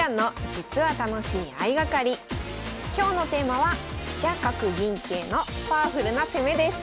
今日のテーマは「飛車角銀桂のパワフルな攻め」です